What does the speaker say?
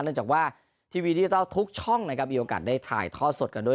เนื่องจากว่าทีวีดิจิทัลทุกช่องนะครับมีโอกาสได้ถ่ายทอดสดกันด้วย